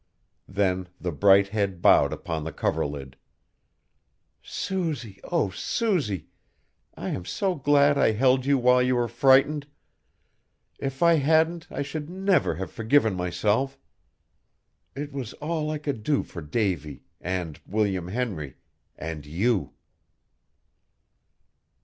Then the bright head bowed upon the coverlid. "Susy, oh, Susy! I am so glad I held you while you were frightened. If I hadn't I should never have forgiven myself. It was all I could do for Davy, and William Henry, and you!"